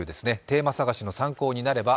テーマ探しの参考になれば。